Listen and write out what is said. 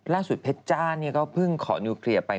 ล่าสุดเพชรจ้าเนี้ยเขาเพิ่งขอนิวเคลียร์ไป